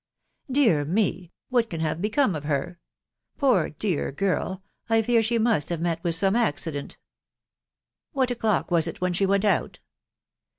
" Dear me!".... what call have become at her ?.... Poor dear girl, t fear she must hate met with some accident !.... What o'clock was it wheii she went out